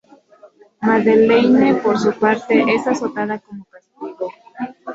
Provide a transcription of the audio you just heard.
Madeleine por su parte es azotada como castigo.